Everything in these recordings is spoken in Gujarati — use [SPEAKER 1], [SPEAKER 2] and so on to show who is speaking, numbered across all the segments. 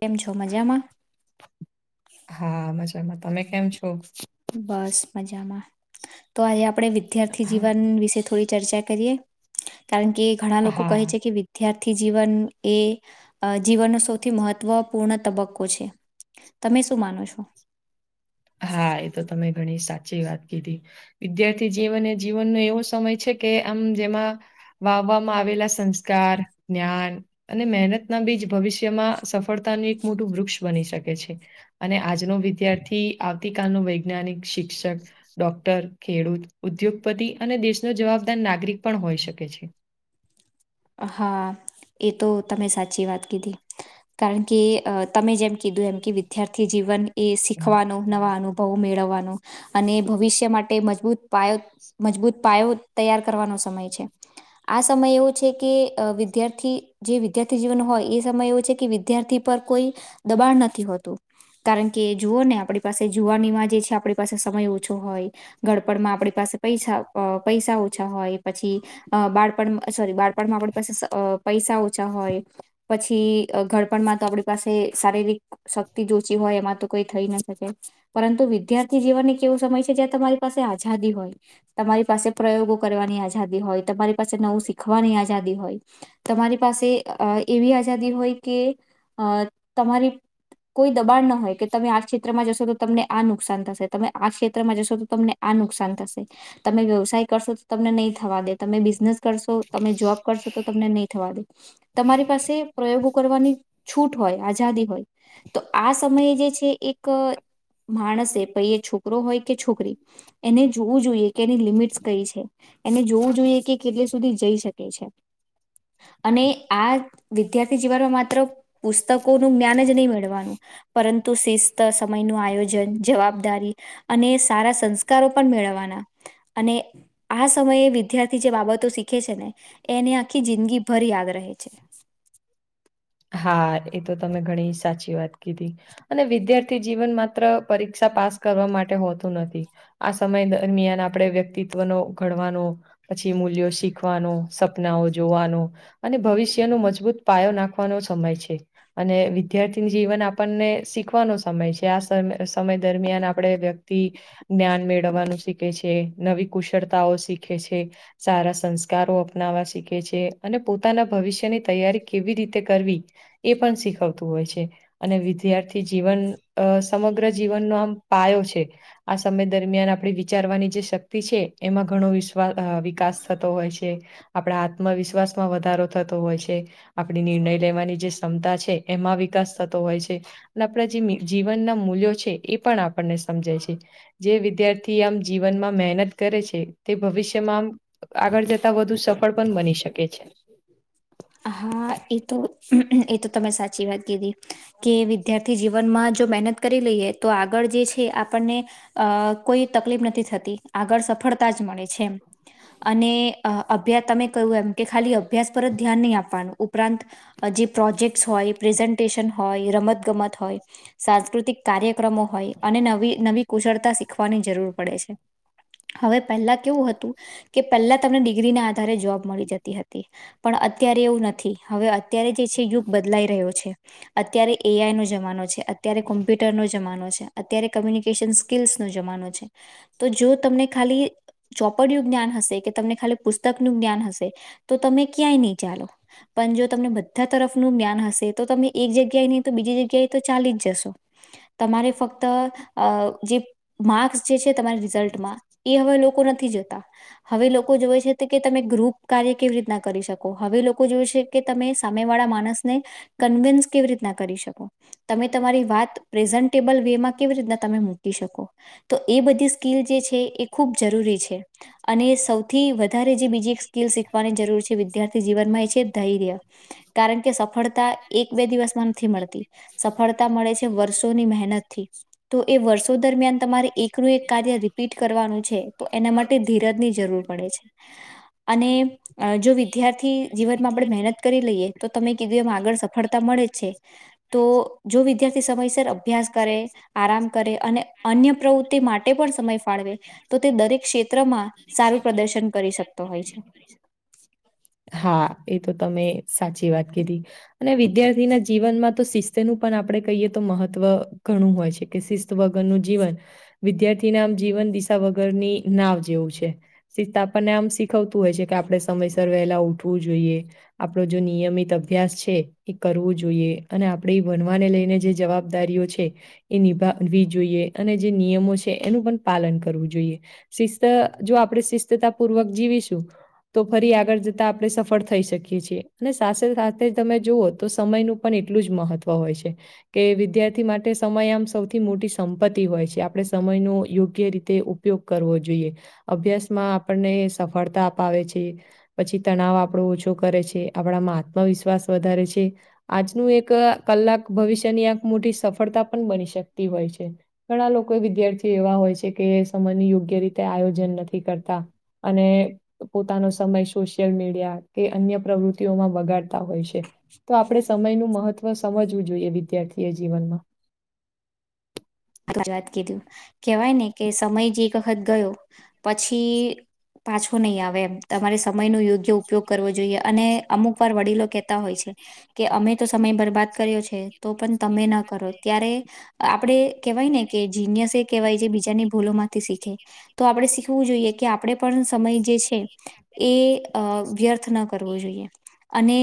[SPEAKER 1] કેમ છો મજામાં.
[SPEAKER 2] હા, મજામાં તમે કેમ છો?
[SPEAKER 1] બસ મજામાં તો આજે આપણે વિદ્યાર્થી
[SPEAKER 2] હા
[SPEAKER 1] જીવન વિશે થોડી ચર્ચા કરીએ કારણ કે ઘણા લોકો કહે છે
[SPEAKER 2] હા
[SPEAKER 1] કે વી વિદ્યાર્થી જીવન એ અ જીવનનો સૌથી મહત્વપૂર્ણ તબક્કો છે. તમે શું માનો છો?
[SPEAKER 2] હા, એ તો તમે ઘણી સાચી વાત કીધી વિદ્યાર્થી જીવન એ જીવનનો એવો સમય છે કે આમ જેમાં વાવવામાં આવેલા સંસ્કાર, જ્ઞાન અને મહેનતના બીજ ભવિષ્યમાં સફળતાનું એક મોટું વૃક્ષ બની શકે છે. અને આજનો વિદ્યાર્થી આવતીકાલ નો વૈજ્ઞાનિક, શિક્ષક ડોક્ટર, ખેડૂત, ઉદ્યોગપતિ અને દેશનો જવાબદાર નાગરિક પણ હોય શકે છે.
[SPEAKER 1] હા, એ તો તમે સાચી વાત કીધી. કારણ કે અ તમે જેમ કીધું એમ કે વિદ્યાર્થી જીવન એ શીખવાનો નવા અનુભવ મેળવવાનો અને ભવિષ્ય માટે મજબૂત પાયો મજબૂત પાયો તૈયાર કરવાનો સમય છે આ સમય એવો છેકે અ વિદ્યાર્થી જે વિદ્યાર્થી જીવન હોય એ સમય એવો છે કે વિદ્યાર્થી પર કોઈ દબાણ નથી હોતું. કારણ કે જુઓ ને આપણી પાસે જુવાનીમાં જે છે આપણી પાસે સમય ઓછો હોય ગડપણમાં આપણી પૈસા અ પૈસા ઓછા હોય પછી બાળપણમાં સોરી બાળ માં આપણી પાસે પૈસા ઓછા હોય પછી ઘડપણમાં તો આપણી પાસે શારીરિક શક્તિ જ ઓછી હોય એમાં તો કોઈ થઈ ના શકે પરંતુ વિદ્યાર્થી જીવન એક એવો સમય છે જ્યાં તમારી પાસે આઝાદી હોય તમારી પાસે પ્રયોગો કરવાની આઝાદી હોય તમારી પાસે નવું શીખવાની આઝાદી હોય તમારી પાસે અ એવી આઝાદી હોય કે અ તમારી કોઈ દબાણ ન હોય કે તમે આ ક્ષેત્રમાં જશો તો તમને આ નુકસાન થશે તમે આ ક્ષેત્રમાં જશો તો તમને આ નુકસાન થશે તમે વ્યવસાય કરશો તો તમને નહીં થવા દે તમે બિઝનેસ કરશો તમે જોબ કરશો તો તમને નહી થવા દે. તમારી પાસે પ્રયોગો કરવાની છૂટ હોય આઝાદી હોય તો આ સમયે જે છે એક માણસે પાઈ એ છોકરો હોય કે છોકરી એને જોવું જોઈએ કે એની લિમિટ્સ કઈ છે એને જોવું જોઈએ કે કેટલી સુધી જઈ શકે છે. અને આ વિદ્યાર્થી જીવનમાં માત્ર પુસ્તકોનું જ્ઞાન જ નહીં, મેળવાનું પરંતુ શિસ્ત સમય ન આયોજન, જવાબદારી અને સંસ્કારો પણ મેળવવાના અને આ સમયે વિદ્યાર્થી જે બાબતો શીખે છે, ને એને આખી જિંદગી ભર યાદ રહે છે.
[SPEAKER 2] હા એ તો તમે ઘણી સાચી વાત કીધી અને વિદ્યાર્થી જીવન માત્ર પરીક્ષા પાસ કરવા માટે હોતું નથી. આ સમય દરમિયાન આપણે વ્યક્તિત્વનો ઘડવાનો પછી મૂલ્યો શીખવાનો, સપનાઓ જોવાનો, અને ભવિષ્ય ન મજબૂત પાયો નાખ વાનો સમય છે. અને વિદ્યાર્થી જીવન આપણને શીખવાનો સમય છે. આ સમય દરમિયાન આપણેે જ્ઞાન મેળવવાનું શીખવે છે, નવી કુશળતાઓ શીખવે છે. સારા સંસ્કારો અપનાવવા શીખે છે, અને પોતાના ભવિષ્યની તૈયારી કેવી રીતે, તે કરવી એ પણ શીખવતું હોય છે. અને વિદ્યાર્થી જીવન સમગ્ર જીવનનો આમ પાયો છે. આ સમય દરમિયાન આપણે વિચારવાની જે શક્તિ છે, એમાં ઘણો વિષ વા અ વિકાસ થતો હોય છે, આપણા આત્મવિશ્વાસ માં વધારો થતો હોય છે. આપણી નિર્ણય લેવાની જે ક્ષમતા છે, એમાં વિકાસ થતો હોય છે. અને આપણા જે જીવનના મૂલ્યો છે, એ પણ આપણને સમજાય છે. જે વિદ્યાર્થી આમ જીવનમાં મહેનત કરે છે, તે ભવિષ્યમાં આમ આગળ જ તા વધુ સફળ પણ બની શકે છે.
[SPEAKER 1] હા એ તો એ તમે સાચી વાત કીધી, કે વિદ્યાર્થી જીવનમાં જો મહેનત કરી લઈએ, તો આગળ જે છે. આપણને એ કોઈ તકલીફ નથી, થતી આગળ સફળતા જ મળે છે. એમ અને અભ્યાસ તમે કહું, એમ કે ખાલી અભ્યાસ પર જ ધ્યાન નહી, આપવાનું ઉપરાંત જે પ્રોજેક્ટસ હોય પ્રેઝન્ટેશન હોય, રમત ગમત હોય સાંસ્કૃતિક કાર્યક્રમો હોય, અને નવી નવી કુશળતા શીખવાની જરૂર પડે છે. હવે પેલ્લા કેવું હતું, કે પેલ્લા તમને ડિગ્રી ના આધારે જોબ મળી જતી હતી. પણ અત્યારે એવું નથી, હવે અત્યારે જે છે યુગ બદલાઈ રહ્યો છે. અત્યારે એ આઈ નો જમાનો છે, અત્યારે કોમ્પ્યુટરનો જમાનો છે. અત્યારે કમ્યુનિકેશન સ્કીલ્સનો જમાનો છે, તો જો તમને ખાલી ચોપડયું જ્ઞાન હશે કે તમને ખાલી પુસ્તકનું જ્ઞાન હશે તો તમે ક્યાંય નઈ ચાલો. પન જો તમને બધા તરફનું જ્ઞાન હશે તો તમે એક જગ્યાએ નઈ તો બીજી જગ્યાએ તો ચાલી જ જશો. તમારે ફક્ત અ જે માર્ક્સ જે છે તમારી રિઝલ્ટમાં એ હવે લોકો નથી જોતા. હવે લોકો જુએ છે તે કે તમે ગ્રુપ કાર્ય કેવી રી તના કરી શકો, હવે લોકો જોય છે કે તમે સામે વાળા માનસને કન્વિન્સ કેવી રીતના કરી શકો તમે તમારી વાત પ્રેઝન્ટેબલ વેવ માં કેવી રીતના તમે મૂકી શકો. તો એ બધી સ્કીલ જે છે એ ખૂબ જરૂરી છે અને સૌથી વધારે જે બીજી એક સ્કીલ શીખવાની જરૂર છે વિદ્યાર્થી જીવનમાં એ છે ધૈર્ય કારણ કે સફળતા એક બે દિવસમાં નથી મળતી સફળતા મળે છે. વર્ષોની મહેનત થી તો એ વર્ષો દરમિયાન તમારે
[SPEAKER 2] વર્ષ
[SPEAKER 1] એ કનું એક
[SPEAKER 2] દરમિયાન
[SPEAKER 1] કાર્ય
[SPEAKER 2] તમારે
[SPEAKER 1] રિપીટ
[SPEAKER 2] એક
[SPEAKER 1] કરવાનું
[SPEAKER 2] કાર્ય
[SPEAKER 1] છે, તો
[SPEAKER 2] સમિત
[SPEAKER 1] એના
[SPEAKER 2] કરવાનું
[SPEAKER 1] માટે ધીરજની
[SPEAKER 2] છે એના
[SPEAKER 1] જરૂર
[SPEAKER 2] માટે
[SPEAKER 1] પડે છે.
[SPEAKER 2] ધીરજ ની જરૂર
[SPEAKER 1] અને અ જો
[SPEAKER 2] અને
[SPEAKER 1] વિદ્યાર્થી
[SPEAKER 2] જો
[SPEAKER 1] જીવનમાં આપડે
[SPEAKER 2] વિદ્યાર્થી
[SPEAKER 1] મહેનત કરી
[SPEAKER 2] જીવનમાં
[SPEAKER 1] લઈએ
[SPEAKER 2] આપણે
[SPEAKER 1] તો તમે
[SPEAKER 2] મહેનત કરી
[SPEAKER 1] કીધું એમ
[SPEAKER 2] લઈએ
[SPEAKER 1] આગળ
[SPEAKER 2] અને
[SPEAKER 1] સફળતા
[SPEAKER 2] કે
[SPEAKER 1] મળે છે.
[SPEAKER 2] આગળ સફળતા
[SPEAKER 1] તો
[SPEAKER 2] મળે છે
[SPEAKER 1] જો વિદ્યાર્થી સમયસર
[SPEAKER 2] જો
[SPEAKER 1] અભ્યાસ
[SPEAKER 2] વિદ્યાર્થી
[SPEAKER 1] કરે
[SPEAKER 2] સમયસર અભ્યાસ
[SPEAKER 1] આરામ કરે અને
[SPEAKER 2] આરામ
[SPEAKER 1] અન્ય
[SPEAKER 2] કરે અને
[SPEAKER 1] પ્રવુત્તિ માટે
[SPEAKER 2] અન્ય
[SPEAKER 1] પણ સમય
[SPEAKER 2] પ્રવૃત્તિ
[SPEAKER 1] ફાળવે
[SPEAKER 2] માટે પણ
[SPEAKER 1] તો તે
[SPEAKER 2] સમય
[SPEAKER 1] દરેક
[SPEAKER 2] પાડે તે
[SPEAKER 1] ક્ષેત્રમાં
[SPEAKER 2] દરેક
[SPEAKER 1] સારું
[SPEAKER 2] ક્ષેત્રમાં
[SPEAKER 1] પ્રદર્શન કરી
[SPEAKER 2] સારું
[SPEAKER 1] શકતો હોય છે.
[SPEAKER 2] પ્રદર્શન કરી શકે હા એ તો તમે સાચી વાત કીધી અને વિદ્યાર્થીના જીવનમાં તો શિસ્ત નું પણ આપણે કહીએ તો મહત્વ ઘણું હોય છે કે શિસ્ત વગરનું જીવન વિદ્યાર્થીના આમ જીવન દિશા વગરની નાવ જેવું છે [unintelligible] આપણને આમ સી થતું હોય છે કે આપડે સમયસર વહેલા ઉઠવું જોઈએ. આપડો જો નિયમિત અભ્યાસ છે એ કરવું જોઈએ અને આપડી ભનવાને લઈને જે જવાબ દારીઓ છે એ નિભાવવી જોઈએ અને જે નિયમો છે એનું પન પાલન કરવું જોઈએ. શિસ્ત જો આપણે શિસ્તતા પૂર્વક જીવીશું તો ફરી આગળ જ તા આપડે સફળ થઈ શકીએ છીએ અને સાથે સાથે તમે જુઓ તો સમયનું પણ એટલું જ મહત્ વ હોય છે. કે વિદ્યાર્થી માટે સમય આમ સૌથી મોટી સંપત્તિ હોય છે આપણે સમયનો યોગ્ય રીતે ઉ પયોગ કરવો જોઈએ અભ્યાસમાં આપણને સફળતા અપાવે છે. પછી તણાવ આપણો ઓછો કરે છે, આપણામાં આત્મવિશ્વાસ વધારે છે. આજનું એક કલાક ભવિષ્યની આ મોટી સફળતા પણ બની શકતી હોય છે. ઘણા લોકો વિદ્યાર્થી એવા હોય છે કે એ સમયને યોગ્ય રીતે આયોજન નથી કરતા અને પોતાનો સમસ સોશિયલ મીડિયા કે અન્ય પ્રવૃત્તિઓમાં બગાડતા હોય છે તો આપડે સમયનું મહત્ વ સમજવું જોઈએ વિદ્યાર્થીએ જીવનમાં
[SPEAKER 1] [unintelligible] વાત કીધી કેવાય ને કે સમય જે એક વખત ગયો પછી પાછો નઈ આવે એમ તમારે સમયનો યોગ્ય ઉપયોગ કરવો જોઈએ અને અમુક વાર વડીલો કેતા હોય છે. કે અમે તો સમય બરબાદ કર્યો છે તો પન તમે ન કરો ત્યારે આપડે કેવાય ને કે જીનયસ એ કેવાય જે બીજાની ભૂલો માંથી શીખે તો આપણે શીખવું જોઈએ કે આપડે પણ સમય જે છે. એ અ વ્યર્થ ન કરવો જોઈએ. અને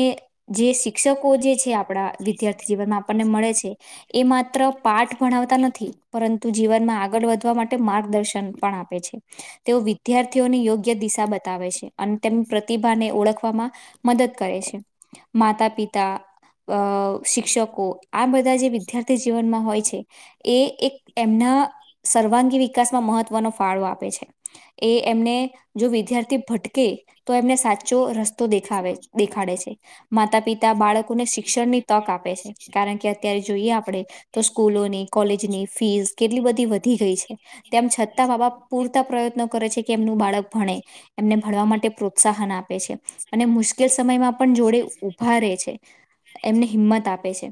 [SPEAKER 1] જે શિક્ષકો જે છે આપણા વિદ્યાર્થી જીવનમાં આપણને મળે છે. એ માત્ર પાઠ ભણાવતા નથી પરંતુ જીવનમાં આગળ વધવા માટે માર્ગદર્શન પણ આપે છે. તેઓ વિદ્યાર્થીઓને યોગ્ય દિશા બતાવે છે અને તેમની પ્રતિભાને ઓળખવામાં મદદ કરે છે માતા પિતા અ શિક્ષકો આ બધાજે વિધાર્થી જીવનમાં હોય છે. એ એક એમના સર્વાંગી વિકાસમાં મહત્વનો ફાળો આપે છે. એ એમને જો વિદ્યાર્થી ભટકે તો એમને સાચો રસ્તો તો દેખ દેખાડે છે માતા પિતા બાળકોને શિક્ષણની તક આપે છે કારણ કે ત્યારે જોઈએ આપડે
[SPEAKER 2] ત્યારે જોઈએ આપડે
[SPEAKER 1] ની ફીસ કેટલી બધી વધી ગઈ છે. તેમ છતાં માં બાપ પૂરતા પ્રયત્નો કરે છે કે એમનું બાળક ભણે એમને ભણવા માટે પ્રોત્સાહન આપે છે અને મુશ્કેલ સમયમાં પણ જોડે ઊભા રહેે છે. એમને હિંમત આપે છે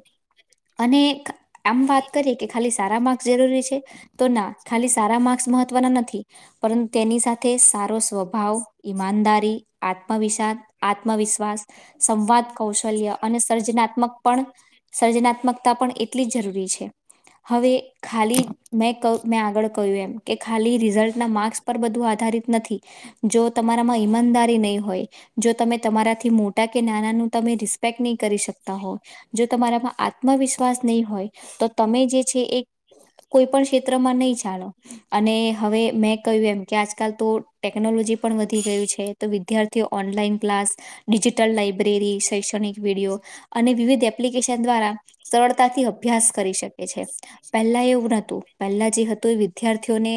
[SPEAKER 1] અને એક એમ વાત કરીએ કે ખાલી સારા માર્ક્સ જરૂરી છે તો ના ખાલી સારા માર્ક્સ મહત્વના નથી પરંતુ તેની સાથે સારો સ્વભાવ ઈમાનદારી આત્મવિશ આત્મવિશ્વાસ સંવાદ કૌશલ્ય અને સર્જનાત્મક પણ સર્જનાત્મકતા પણ એટલી જ જરૂરી છે. હવે ખાલી મેં ક મે આગળ કહ્યું એમ કે ખાલી રિઝલ્ટના માર્કસ પર બધું આધારિત નથી જો તમારામાં ઈમાનદારી નહીં હોય જો તમે તમારાથી મોટા કે નાનાનુ તમે રિસ્પેક્ટ નહી કરી શકતા હોવ જો તમારા માં આત્મવિશ્વાસ નહીં હોય તો તમે જે છે એ કોઈ પણ ક્ષેત્રમાં નહી ચલો અને હવે મેં કહ્યું એમ કે આજકાલ તો ટેકનોલોજી પણ વધી ગય છે. તો વિદ્યાર્થીઓ ઓનલાઈન ક્લાસ ડિજિટલ લાઇબ્રેરી શૈક્ષણિક વિડીિયો અને વિવિધ એપ્લિકેશન દ્વારા સરળતાથી અભ્યાસ કરી શક કે છે પહેલા એવું નતું પહેલા જે હતું વિદ્યાર્થીઓને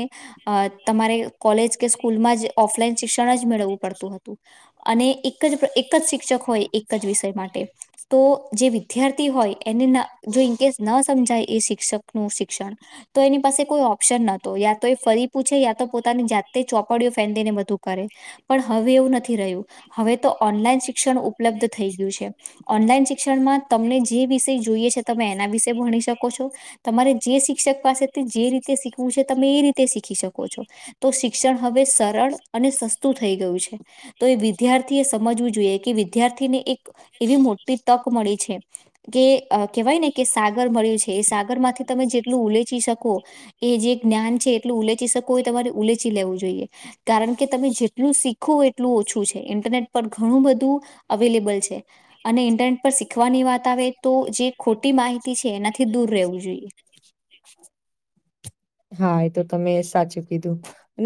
[SPEAKER 1] અ તમારે કોલેજ કે સ્કૂલમાં જ ઓફલાઈન શિક્ષણ જ મેળવવું પડતું હતું. અને એક જ એક જ શિક્ષક હોય એક જ વિષય માટે તો જે વિદ્યાર્થી હોય એને ન જો ઈનકેસ ન સમજાય એ શિક્ષક નું શિક્ષણ તો એની પાસે કોઈ ઓપ્શન નહોતો યા તો એ ફરી પૂછે યા તો પોતાની જાતે ચોપડીઓ ફેડીને બધું કરે પણ હવે એવું નથી રહ્યું હવે તો ઓનલાઈન શિક્ષણ ઉપલબ્ધ થઈ ગયું છે ઓનલાઈન શિક્ષણમાં તમને જે વિષય જોઈએ છે તમે એના વિશે ભણી શકો કો છો તમારે જે શિક્ષક પાસેથી જે રીતે શીખવું છે તમે એ રીતે શીખી શકો છો. તો શિક્ષણ હવે સરળ અને સસ્તું થઈ ગયું છે. તો એ વિદ્યાર્થી એ સમજવું જોઈએ કે વિદ્યાર્થીને એક એવી મોટી તક મળી છે. કે કેહેવાય ને કે સાગર મળ્યું છે એ સાગર માંથી તમે જેટલું ઉલેચી શકો એ જે જ્ઞાન છે એટલું ઉલેચી શકવું હોય તમારે ઉલેચી લેવું જોઈએ. કારણ કે તમે જેટલું શીખો એટલું ઓછું છે ઇન્ટરનેટ પર ઘણું બધું અવેલેબલ છે, અને ઇન્ટરનેટ પર શીખવાની વાત આવે તો જે ખોટી માહિતી છે, એના થી દૂર રહેવું જોઈએ.
[SPEAKER 2] હા એ તો તમે સાચું કીધું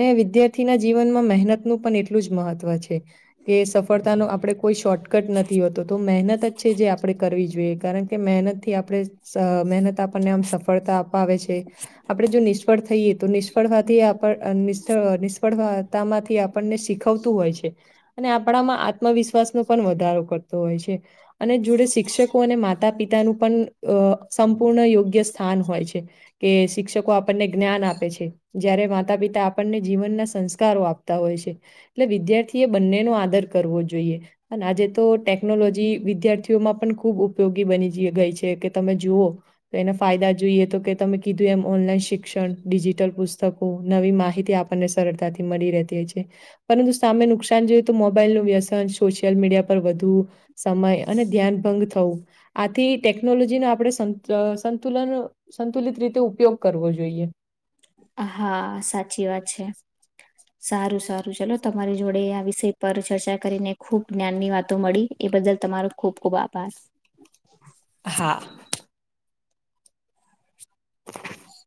[SPEAKER 2] ને વિદ્યાર્થીના જીવનમાં મહેનતનું પણ એટલું જ મહત્વ છે. કે સફળતાનો આપણે કોઈ શોર્ટકટ નથી હોતો તો મહેનત જ છે, જે આપડે કરવી જોએ કારણ કે મહેનતથી આપણે સ મહેનત આપણને આમ સફળતા પાવે છે, આપડે પડે જો ને થઈએ તો નિષ્ફળ માથી આપ નિષ્ફળ નિષ્ફળતા માંથી આપણને શીખવતું હોય છે. અને આપણામાં આત્મવિશ્વાસનો પણ વધારો કરતો હોય છે. અને જોડે શિક્ષકો અને માતા પિતાનું પન અ સંપૂર્ણ યોગ્ય સ્થાન હોય છે, કે શિક્ષકો આ આપણને જ્ઞાન આપે છે, જ્યારે માતા-પિતા આપણને જીવનના સંસ્કારો આપતા હોય છે. એટલે વિદ્યાર્થી એ બંને નો આદર કરવો જોઈએ. અન આજે તો ટેકનોલોજી વિદ્યાર્થીઓમાં પણ ખુબ ઉ પયોગી બની જ ગઈ છે, કે તમે જુઓ તો એના ફાયદા જોઈએ તો કે તમે કીધું એમ ઓનલાઈન શિક ક્ષણ ડિજિટલ પુસ્તકો નવી માહિતી આપણને સરળતાથી મળી રહેતી હોય છે. પરંતુ સામે જોઈએ તો મોબાઈલનું વ્યસન સોશિયલ મીડિયા પર વધુ સમય અને ધ્યાન ભંગ થવું આથી ટેકનોલોજીનો આપણે સંત અ સંતુલન સંતુલિત રીતે ઉપયોગ કરવો જોઈએ.
[SPEAKER 1] હા સાચી વાત છે. સારું સારું ચલો તમારી જોડે આ વિષય પર ચર્ચા કરીને ખુબ જ્ઞાનની વાતો મળી એ બદલ તમારો ખૂબ ખૂબ આભાર.
[SPEAKER 2] હા. [inaudible]